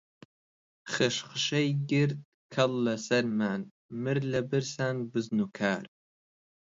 خشخشەی گرت کەڵ لە سەرمان، مرد لە برسان بزن و کار